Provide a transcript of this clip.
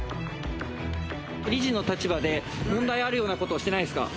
理事の立場で、問題あるようなことはしてないですか。